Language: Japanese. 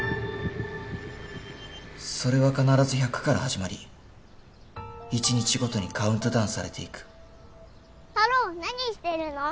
それは必ず「１００」から始まり１日ごとにカウントダウンされていくたろー何してるの？